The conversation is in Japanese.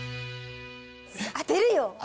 当てるよ